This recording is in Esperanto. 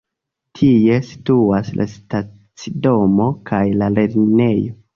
Tie situas la stacidomo kaj la lernejo.